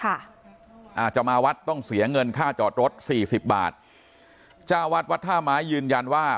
อาจจะมาวัดต้องเสียเงินค่าจอดรถสี่สิบบาทจ้าวัดวัดท่าไม้ยืนยันว่า